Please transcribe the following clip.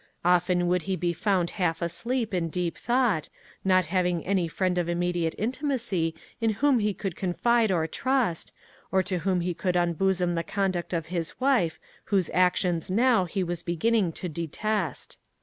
Often would he be found half asleep in deep thought, not having any friend of immediate intimacy in whom he could confide or trust, or to whom he could unbosom the conduct of his wife, whose actions now he was beginning to detest.